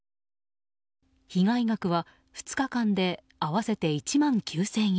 被害額は２日間で合わせて１万９０００円。